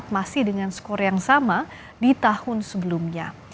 masih dengan skor yang sama di tahun sebelumnya